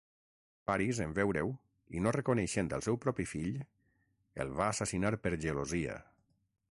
Paris en veure-ho, i no reconeixent el seu propi fill, el va assassinar per gelosia.